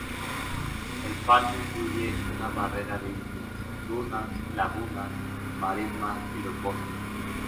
El parque incluye una barrera de islas, dunas, lagunas, marismas y los bosques.